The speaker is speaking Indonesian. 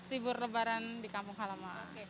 sehabis limbur lebaran di kampung halaman